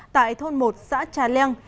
tại thôn một xã trà leng